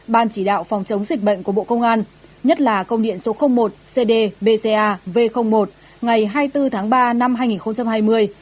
ban chỉ đạo phòng chống dịch bệnh của bộ công an nhất là công điện số một cd bca v một ngày hai mươi bốn tháng ba năm hai nghìn hai mươi